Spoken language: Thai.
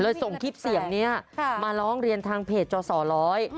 ส่งคลิปเสียงเนี้ยมาร้องเรียนทางเพจจสอร้อย